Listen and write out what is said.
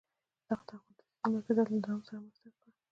دغه تحول د سیاسي مرکزیت له دوام سره مرسته وکړه.